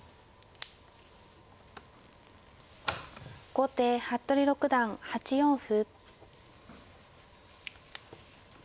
後手服部六段８四歩。